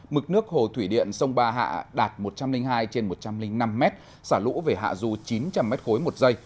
mực nước hồ thủy điện sông ba hạ đạt một trăm linh hai trên một trăm linh năm mét xả lũ về hạ du chín trăm linh m ba một giây